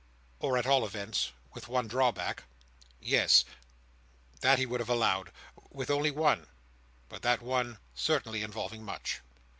Or, at all events, with one drawback. Yes. That he would have allowed. With only one; but that one certainly involving much.